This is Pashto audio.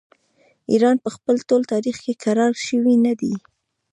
ایران په خپل ټول تاریخ کې کرار شوی نه دی.